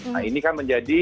nah ini kan menjadi